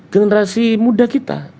generasi muda kita